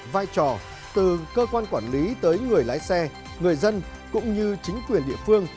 vai trò từ cơ quan quản lý tới người lái xe người dân cũng như chính quyền địa phương